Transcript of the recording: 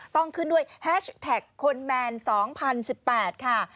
ต้องขึ้นด้วยแฮชแท็กคนแมน๒๐๑๘ค่ะ